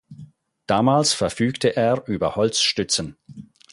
Damals verfügte er über Holzstützen.